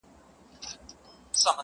غوړه مال چي چا تر څنګ دی درولی؛